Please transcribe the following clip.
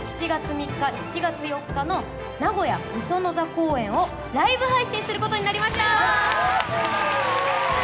７月３日、７月４日の名古屋御園座公演を、ライブ配信することになりました。